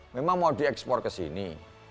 memang mau diekspor ke sini